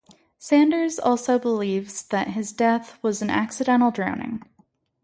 Sanders also believes that his death was an accidental drowning.